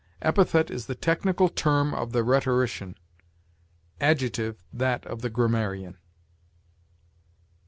Epithet is the technical term of the rhetorician; adjective, that of the grammarian.